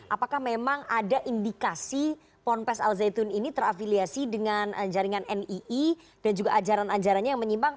apakah memang ada indikasi ponpes al zaitun ini terafiliasi dengan jaringan nii dan juga ajaran ajarannya yang menyimpang